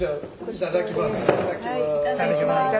いただきます。